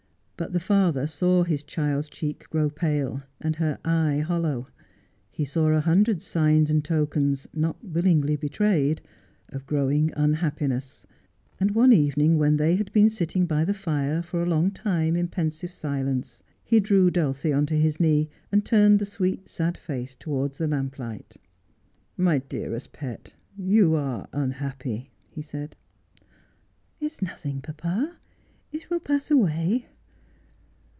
But the father saw his child's cheek grow pale, and her eye hollow, lie saw a hundred signs and 16 Just as I Am. tokens, not willingly betrayed, of growing unhappiness ; and one evening, when they had been sitting by the fire for a long time in pensive silence, he drew Dulcie on to his knee and turned the sweet sad face towards the lamplight. 'My dearest pet, you are unhappy,' he said. ' It's nothing, papa. It will pass away.'